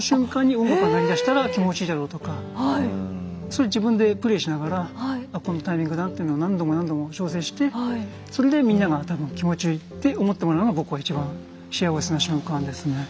それ自分でプレイしながらこのタイミングだなっていうのを何度も何度も調整してそれでみんなが多分気持ちいいって思ってもらうのが僕は一番幸せな瞬間ですね。